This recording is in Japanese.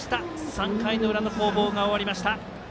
３回の裏の攻防が終わりました。